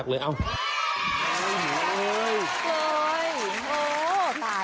เราเอาเงินเราก็ได้